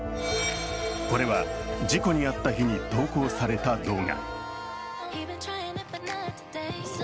これは事故に遭った日に投稿された動画。